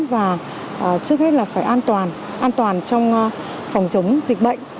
và trước hết là phải an toàn an toàn trong phòng chống dịch bệnh